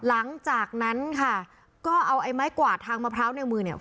หลังจากนั้นค่ะก็เอาไอ้ไม้กวาดทางมะพร้าวในมือเนี่ย